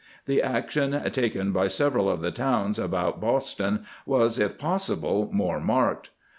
^ The action taken by several of the towns about Boston was if possible more marked.